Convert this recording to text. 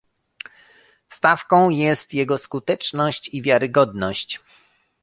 Stawką jest jego skuteczność i wiarygodność